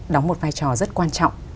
đóng một vai trò rất quan trọng